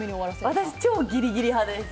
私、超ギリギリ派です。